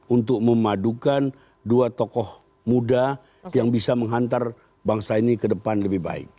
untuk memadukan dua tokoh muda yang bisa menghantar bangsa ini ke depan lebih baik